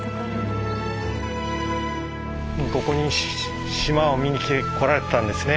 ここに島を見に来られてたんですね